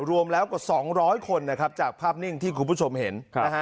รวมแล้วกว่า๒๐๐คนนะครับจากภาพนิ่งที่คุณผู้ชมเห็นนะฮะ